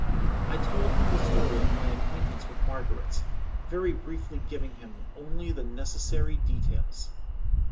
I told him the story of my acquaintance with Margaret, very briefly giving him only the necessary details.